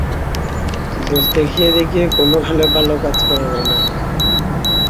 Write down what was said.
দোষ দেখিয়ে দেখিয়ে কোন কালে ভাল কাজ করা যায় না।